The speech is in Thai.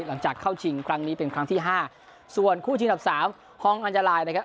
หลังจากเข้าจิงครั้งนี้เป็นครั้งที่๕ส่วนคู่จิงที่๓ของอัญลาศัลย์นะครับ